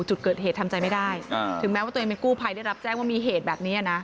จุดเกิดเหตุทำใจไม่ได้ถึงแม้ว่าตัวเองเป็นกู้ภัยได้รับแจ้งว่ามีเหตุแบบนี้นะ